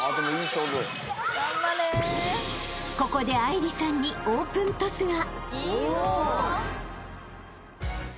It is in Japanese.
［ここで愛梨さんにオープントスが！］